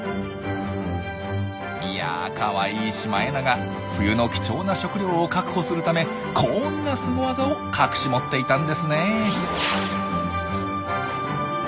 いやあかわいいシマエナガ冬の貴重な食料を確保するためこんなスゴ技を隠し持っていたんですねえ。